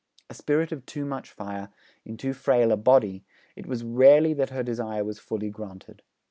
A spirit of too much fire in too frail a body, it was rarely that her desire was fully granted.